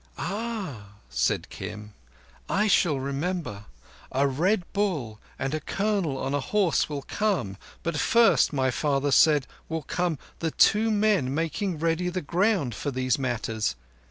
"Ah," said Kim, "I shall remember. A Red Bull and a Colonel on a horse will come, but first, my father said, will come the two men making ready the ground for these matters.